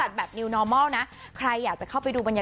แล้วมาดูกันมากเลย